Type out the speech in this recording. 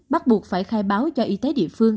bắt buộc phải khai báo cho y tế địa phương